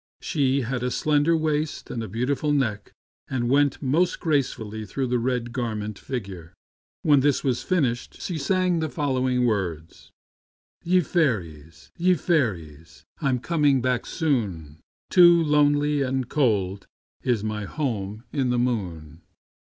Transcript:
She had a slender waist and a beautiful neck, and went most gracefully through the Red Garment figure. 3 When this was finished she sang the following words :" Ye fairies ! ye fairies ! I'm coming back soon, Too lonely and cold is my home in the moon."